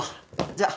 じゃあ。